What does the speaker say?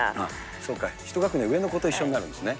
そうか、１学年上の子と一緒になるんですね。